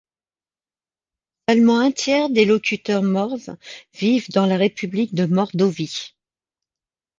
Seulement un tiers des locuteurs mordves vivent dans la république de Mordovie.